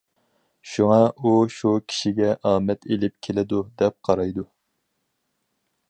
شۇڭا، ئۇ شۇ كىشىگە ئامەت ئېلىپ كېلىدۇ، دەپ قارايدۇ.